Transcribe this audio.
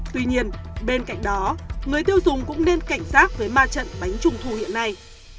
tuy nhiên bên cạnh đó người tiêu dùng cũng nên cảnh giác với ma trận bánh trung thu hiện nay